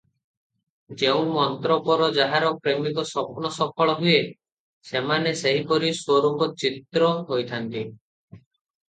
ଯେଉଁ ମନ୍ତ୍ରପର ଯାହାର ପ୍ରେମିକ ସ୍ୱପ୍ନ ସଫଳ ହୁଏ, ସେମାନେ ସେହିପରି ସ୍ୱରୂପ ଚିତ୍ର ହୋଇଥାନ୍ତି ।